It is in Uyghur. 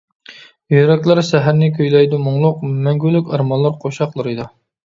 يۈرەكلەر سەھەرنى كۈيلەيدۇ مۇڭلۇق، مەڭگۈلۈك ئارمانلار قوشاقلىرىدا.